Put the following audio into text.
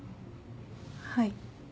はい。